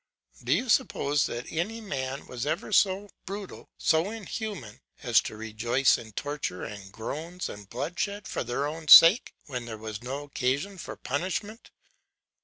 Do you suppose that any man was ever so brutal, so inhuman, as to rejoice in torture and groans and bloodshed for their own sake, when there was no occasion for punishment?